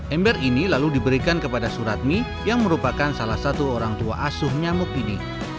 ember ini lalu diberikan kepada suratmi yang merupakan salah satu orang tua asuh nyamuk ini